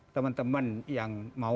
teman teman yang mau